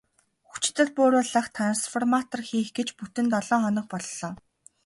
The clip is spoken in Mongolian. Хүчдэл бууруулах трансформатор хийх гэж бүтэн долоо хоног боллоо.